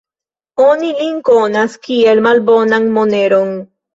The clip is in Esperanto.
Oni lin konas, kiel malbonan moneron.